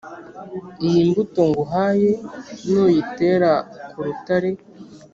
iyi mbuto nguhaye, nuyitera ku rutare